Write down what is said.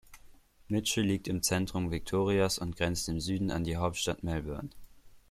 Mitchell liegt im Zentrum Victorias und grenzt im Süden an die Hauptstadt Melbourne.